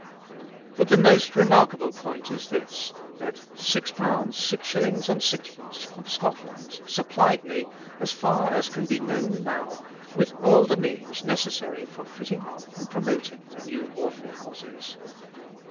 " But the most remarkable point is this, that ^6, 6s. bd. from Scotland supplied me, as far as can be known now, with all the means necessary for fitting up and promoting the new Orphan Houses.